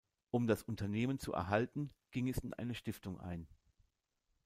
Um das Unternehmen zu erhalten, ging es in eine Stiftung ein.